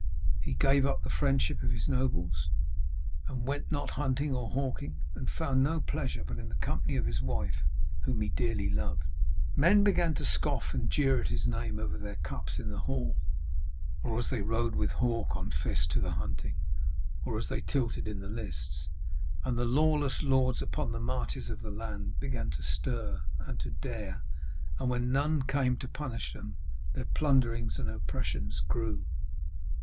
He gave up the friendship of his nobles, and went not hunting or hawking; and found no pleasure but in the company of his wife, whom he dearly loved. Men began to scoff and jeer at his name over their cups in hall, or as they rode with hawk on fist to the hunting, or as they tilted in the lists. And the lawless lords upon the marches of the land began to stir and to dare, and when none came to punish them, their plunderings and oppressions grew.